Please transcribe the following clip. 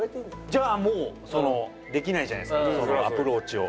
じゃあもうそのできないじゃないですかアプローチを。